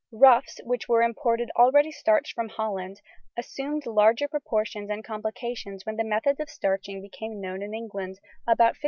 The ruffs, which were imported already starched from Holland, assumed larger proportions and complications when the methods of starching became known in England about 1564.